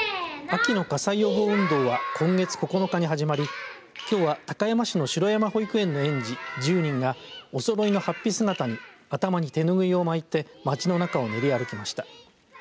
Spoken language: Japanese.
秋の火災予防運動は今月９日に始まりきょうは高山市の城山保育園の園児１０人がおそろいのはっぴ姿に頭に手拭いを巻いて街の中を練り歩きました。